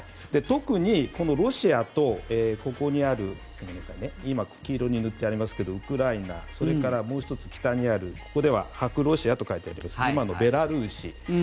特にこのロシアとここにある今、黄色に塗ってありますがウクライナそれからもう１つ北にあるここでは白ロシアと書いてありますが今のベラルーシ。